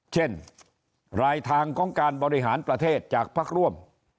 เช่นรายทางของการบริหารประเทศจากพักร่วม